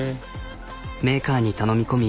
メーカーに頼み込み